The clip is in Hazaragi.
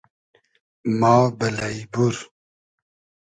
ما بئلݷ بور